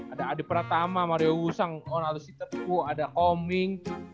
ada adi pratama mario wu sang onaru shiteku ada koming